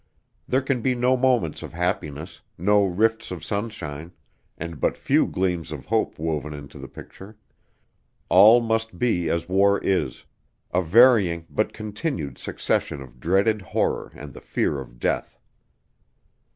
There can be no moments of happiness, no rifts of sunshine, and but few gleams of hope woven into the picture. All must be as war is a varying but continued succession of dreaded horror and the fear of death.